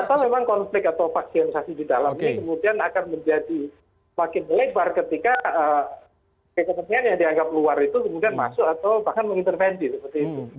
atau memang konflik atau vaksinasi di dalam ini kemudian akan menjadi makin lebar ketika kepentingan yang dianggap luar itu kemudian masuk atau bahkan mengintervensi